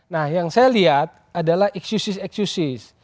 nah yang saya lihat adalah excuses excuses